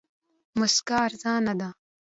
موسکا ارزانه ده.